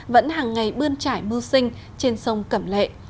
vẫn hàng ngày bươn trải mưu sinh trên sông cẩm lệ